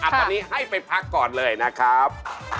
ตอนนี้ให้ไปพักก่อนเลยนะครับ